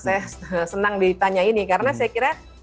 saya senang ditanya ini karena saya kira